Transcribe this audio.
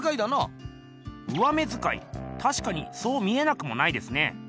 上目づかいたしかにそう見えなくもないですね。